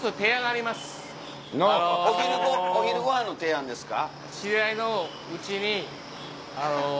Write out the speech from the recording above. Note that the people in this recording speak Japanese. お昼ご飯の提案ですか？